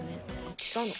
違うのか。